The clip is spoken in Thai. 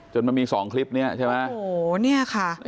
จนมันมีสองคลิปเนี้ยใช่ไหม